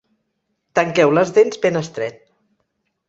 Tanqueu les dents ben estret.